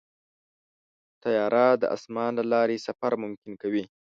طیاره د اسمان له لارې سفر ممکن کوي.